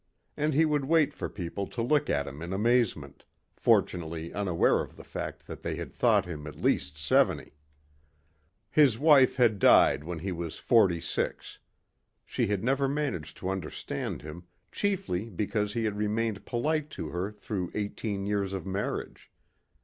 And he would wait for people to look at him in amazement, fortunately unaware of the fact that they had thought him at least seventy. His wife had died when he was forty six. She had never managed to understand him, chiefly because he had remained polite to her through eighteen years of marriage.